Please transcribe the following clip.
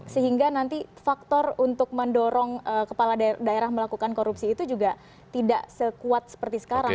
sehingga nanti faktor untuk mendorong kepala daerah melakukan korupsi itu juga tidak sekuat seperti sekarang